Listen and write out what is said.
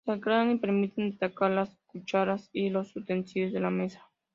Se aclaran y permite destacar las cucharas y los utensilios de la mesa.